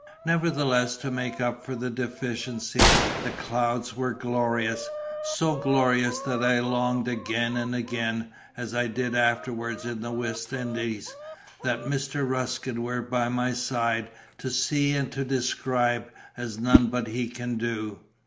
Nevertheless, to make up for the deficiency, the clouds were glorious—so glorious that I longed again and again, as I did afterward in the West Indies, that Mr. Ruskin were by my side, to see and to describe, as none but he can do.